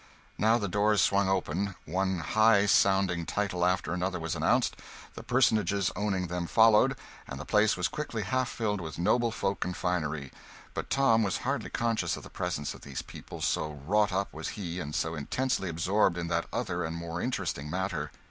Now the doors swung open; one high sounding title after another was announced, the personages owning them followed, and the place was quickly half filled with noble folk and finery. But Tom was hardly conscious of the presence of these people, so wrought up was he and so intensely absorbed in that other and more interesting matter.